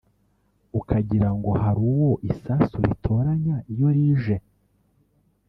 ukagirango hari uwo isasu ritoranya iyo rije